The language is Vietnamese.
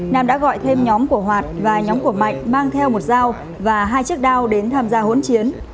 nam đã gọi thêm nhóm của hoạt và nhóm của mạnh mang theo một dao và hai chiếc đao đến tham gia hỗn chiến